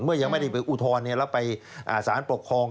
ยังไม่ได้ไปอุทธรณ์แล้วไปสารปกครอง